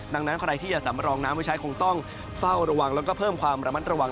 ดังนั้นใครที่จะสำรองน้ำไว้ใช้คงต้องเฝ้าระวังแล้วก็เพิ่มความระมัดระวัง